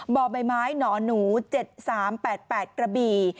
บ่อใบไม้หนอนหนู๗๓๘๘กระบี่